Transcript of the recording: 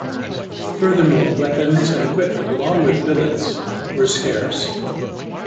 Furthermore, weapons and equipment, along with billets, were scarce.